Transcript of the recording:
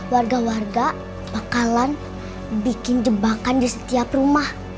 warga warga bakalan bikin jebakan di setiap rumah